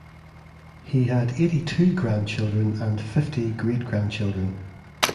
He had eighty-two grandchildren and fifty great grandchildren.